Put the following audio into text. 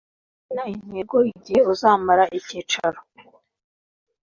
Izina Intego Igihe uzamara Icyicaro